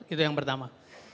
itu yang pertama